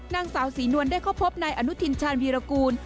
นางสาวศรีนวลได้เข้าพบนายอนุทินชาญวีรกูล